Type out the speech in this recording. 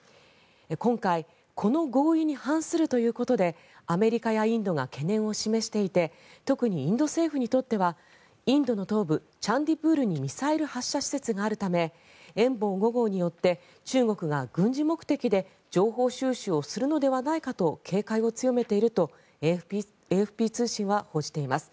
今回、この合意に反するということでアメリカやインドが懸念を示していて特にインド政府にとってはインドの東部チャンディプールにミサイル発射施設があるため「遠望５号」によって中国が軍事目的で情報収集するのではないかと警戒を強めているとＡＦＰ通信は報じています。